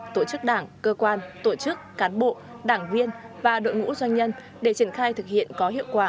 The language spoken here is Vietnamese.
tổ chức đảng cơ quan tổ chức cán bộ đảng viên và đội ngũ doanh nhân để triển khai thực hiện có hiệu quả